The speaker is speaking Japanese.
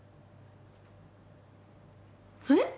えっ？